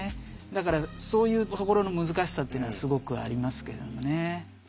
だからそういうところの難しさっていうのはすごくありますけれどもね。